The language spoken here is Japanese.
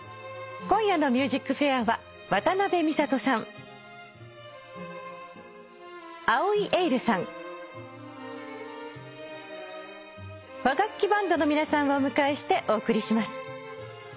今夜の『ＭＵＳＩＣＦＡＩＲ』は。の皆さんをお迎えしてお送りします。